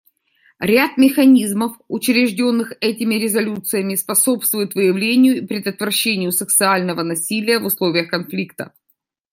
Ряд механизмов, учрежденных этими резолюциями, способствует выявлению и предотвращению сексуального насилия в условиях конфликта.